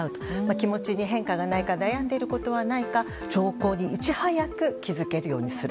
気持ちに変化がないか悩んでいることがないか、兆候にいち早く気付けるようにする。